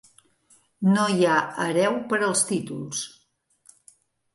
No hi ha hereu per als títols.